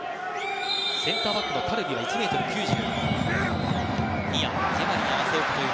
センターバックのタルビは１ｍ９０。